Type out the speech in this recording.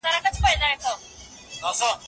د ښار زاړه بازارونه تاریخي بڼه لري.